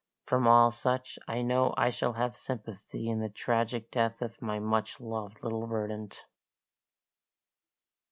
From all such I know I shall have sympathy in the tragic death of my much loved little Verdant.